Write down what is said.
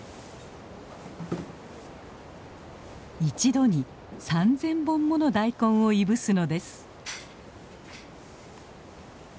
一度に３，０００本もの大根をいぶすのです。